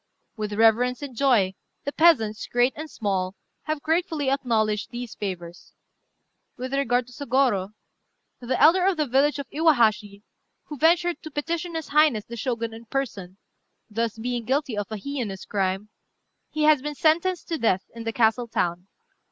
With reverence and joy the peasants, great and small, have gratefully acknowledged these favours. With regard to Sôgorô, the elder of the village of Iwahashi, who ventured to petition his highness the Shogun in person, thus being guilty of a heinous crime, he has been sentenced to death in the castle town.